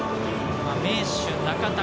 名手・中田。